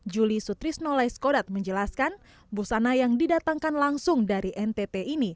juli sutrisno laiskodat menjelaskan busana yang didatangkan langsung dari ntt ini